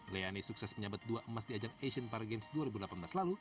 liani sukses menyebut dua emas di ajak asian paragames dua ribu delapan belas lalu